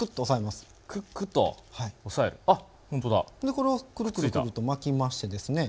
でこれをくるくるくると巻きましてですね